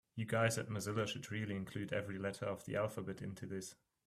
You guys at Mozilla should really include every letter of the alphabet into this.